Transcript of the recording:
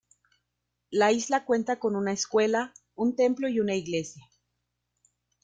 La isla cuenta con una escuela, un templo y una iglesia.